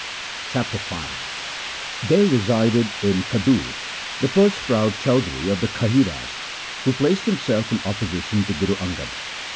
Chapter V There resided in Khadur the purse proud Chaudhri 1 of the Khahiras, who placed himself in opposition to Guru Angad.